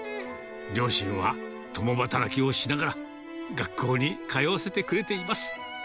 両親は共働きをしながら、学校に通わせてくれています。